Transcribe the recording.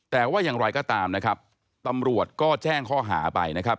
แต่ว่าอย่างไรก็ตามนะครับตำรวจก็แจ้งข้อหาไปนะครับ